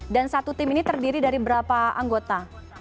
dan satu tim ini terdiri dari berapa anggota